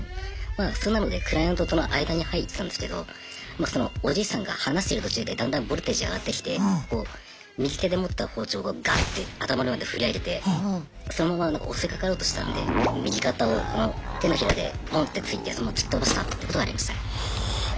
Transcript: まあそんなのでクライアントとの間に入ってたんですけどそのおじいさんが話してる途中でだんだんボルテージ上がってきて右手で持った包丁をガッて頭の上まで振り上げてそのまま襲いかかろうとしたんで右肩をこの手のひらでボンって突いて突き飛ばしたことはありましたね。